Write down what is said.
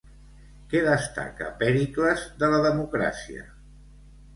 Què destaca Pèricles de la democràcia?